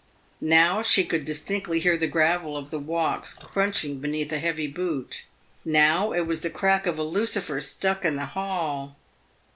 Now she could distinctly hear the gravel of the walks crunching beneath a heavy boot, now it was the crack of a lucifer struck in the hall.